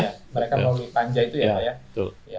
mereka melalui panjang itu ya pak ya